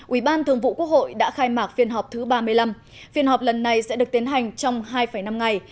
ubthq đã khai mạc phiên họp thứ ba mươi năm phiên họp lần này sẽ được tiến hành trong hai năm ngày